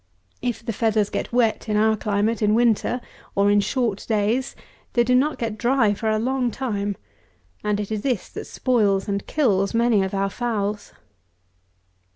If the feathers get wet, in our climate, in winter, or in short days, they do not get dry for a long time; and this it is that spoils and kills many of our fowls.